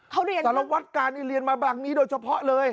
เขาเรียนสารวัตรการเรียนมาบังนี้โดยเฉพาะเลย